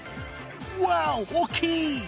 ワオ大きい！